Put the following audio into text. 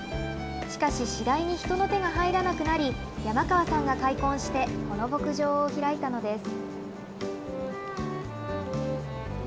しかし、次第に人の手が入らなくなり、山川さんが開墾して、この牧場を開いたのです。